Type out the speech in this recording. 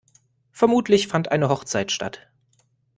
Vermutlich fand eine Hochzeit statt.